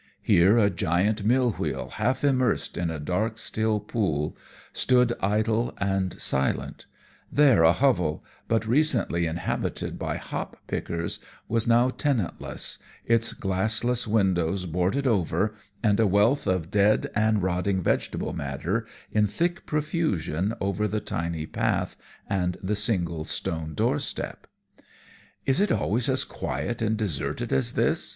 Here a giant mill wheel, half immersed in a dark, still pool, stood idle and silent; there a hovel, but recently inhabited by hop pickers, was now tenantless, its glassless windows boarded over, and a wealth of dead and rotting vegetable matter in thick profusion over the tiny path and the single stone doorstep. "Is it always as quiet and deserted as this?"